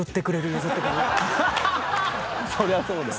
そりゃそうだね。